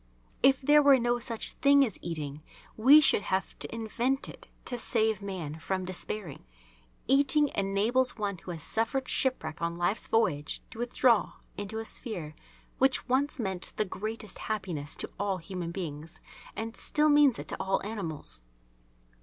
If there were no such thing as eating we should have to invent it to save man from despairing. Eating enables one who has suffered shipwreck on Life's voyage to withdraw into a sphere which once meant the greatest happiness to all human beings and still means it to all animals.